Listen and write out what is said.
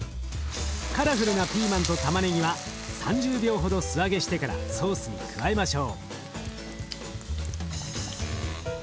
カラフルなピーマンとたまねぎは３０秒ほど素揚げしてからソースに加えましょう。